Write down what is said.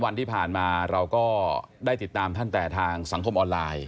วันที่ผ่านมาเราก็ได้ติดตามท่านแต่ทางสังคมออนไลน์